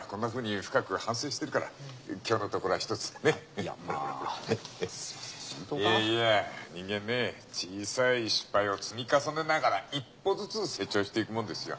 いやいや人間ね小さい失敗を積み重ねながら一歩ずつ成長していくもんですよ。